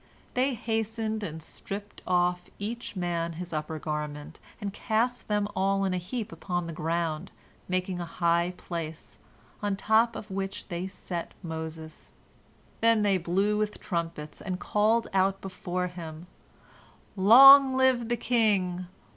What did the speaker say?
They hastened and stripped off each man his upper garment, and cast them all in a heap upon the ground, making a high place, on top of which they set Moses. Then they blew with trumpets, and called out before him: "Long live the king!